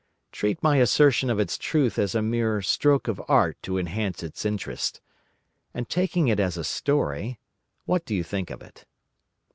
Treat my assertion of its truth as a mere stroke of art to enhance its interest. And taking it as a story, what do you think of it?"